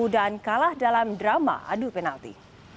dan kalah dalam drama adu penalti